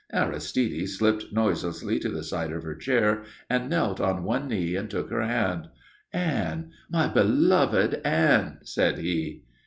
Aristide slipped noiselessly to the side of her chair and knelt on one knee and took her hand. "Anne my beloved Anne!" said he.